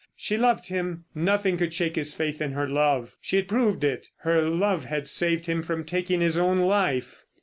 She loved him. Nothing could shake his faith in her love. She had proved it. Her love had saved him from taking his own life.